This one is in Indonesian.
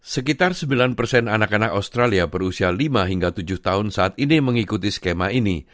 sekitar sembilan persen anak anak australia berusia lima hingga tujuh tahun saat ini mengikuti skema ini